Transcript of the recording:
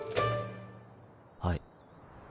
はい。